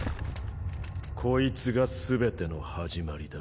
こいつが全ての始まりだ。